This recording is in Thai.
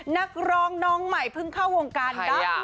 นักร้องน้องใหม่เพิ่งเข้าวงการได้